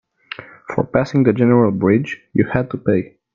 For passing the general bridge, you had to pay.